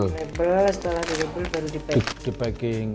setelah label baru di packing